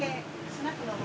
スナックの隣。